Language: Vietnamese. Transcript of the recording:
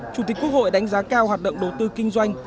chủ tịch quốc hội đánh giá cao hoạt động đầu tư kinh doanh